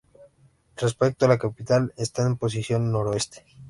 Respecto a la capital está en posición noroeste.